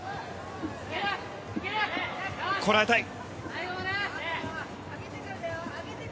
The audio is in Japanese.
こらえたい。